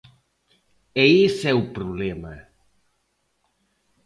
E ese é o problema.